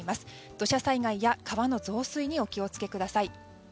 土砂災害や川の増水にお気を付けください。